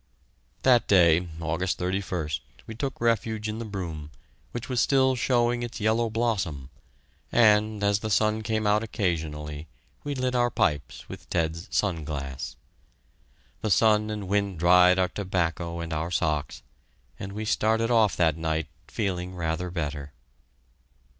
That day, August 31st, we took refuge in the broom, which was still showing its yellow blossom, and, as the, sun came out occasionally, we lit our pipes with Ted's sun glass. The sun and wind dried our tobacco and our socks, and we started off that night feeling rather better.